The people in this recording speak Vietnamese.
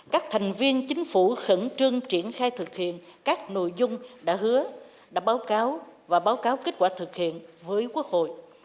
các thành viên chính phủ khẩn trương triển khai thực hiện các nội dung đã hứa đã báo cáo và báo cáo kết quả thực hiện với quốc hội